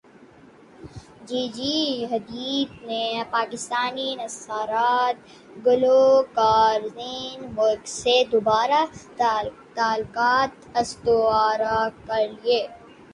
جی جی Hadid نے پاکستانی نژاد گلوکار زین ملک سے دوبارہ تعلقات استوار کرلیے